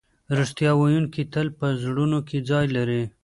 رښتیا ویونکی تل په زړونو کې ځای لري.